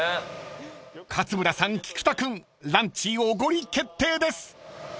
［勝村さん菊田君ランチおごり決定です］